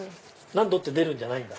何℃って出るんじゃないんだ。